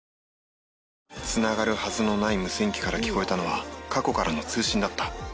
つながるはずのない無線機から聞こえたのは過去からの通信だった。